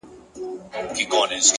د یخې هوا څپه د تنفس احساس بدلوي!.